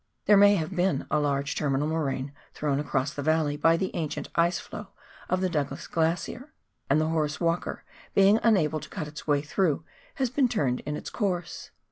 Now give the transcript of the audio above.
There may have been a large terminal moraine thrown across the valley by the ancient ice flow of the Douglas Glacier, and the Horace "Walker being unable to cut its way through has been turned in its course.